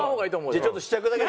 じゃあちょっと試着だけ。